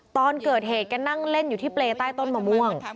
ตอนเกิดเหตุกันนั่งเล่นอยู่ที่เปรต้ายต้นหมำม่วง